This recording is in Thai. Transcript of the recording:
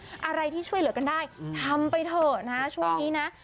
อะไรที่เป็นรอยยิ้มอะไรที่ช่วยเหลือกันได้ทำไปเถอะนะช่วงนี้นะ